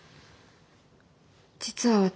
実は私。